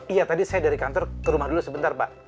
iya tadi saya dari kantor ke rumah dulu sebentar pak